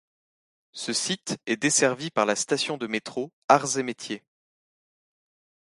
Ce site est desservi par la station de métro Arts et Métiers.